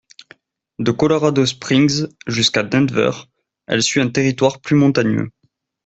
De Colorado Springs jusqu'à Denver, elle suit un territoire plus montagneux.